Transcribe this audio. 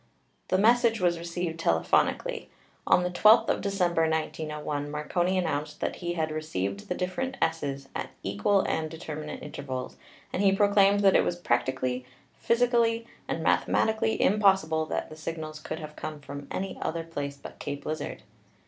The message was received telephonically. On the 12th of December, 1901, Marconi announced that he had re ceived the different S's at equal and determinate inter vals, and he proclaimed that it was practically, physically and mathematically impossible that the signals could have come from any other place but Cape Lizard.